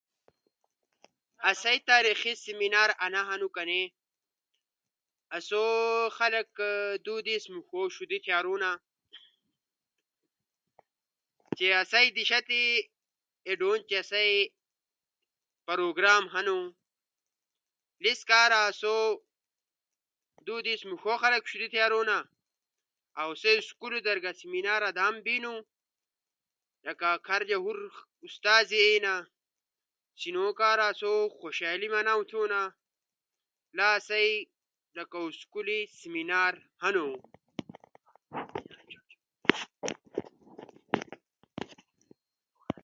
آسئی تاریخی سیمینار انا ہنو کنأ آسو خلق دو دیس موݜو ݜودی چارونا چی آسئی دیشا اے ڈھون چی آسئی پروگرام ہنو، انیس کارا آسو دو دیس موݜو خلق ݜیری تیارونا، اؤ سا اسکولا در سیمینار آدامو بینو، لکہ کھرجا ہور استازی اینا شینو کارا اسو خوشالی مناؤ تھونا، لا اسئی لکہ اسکولی سیمینار ہنو۔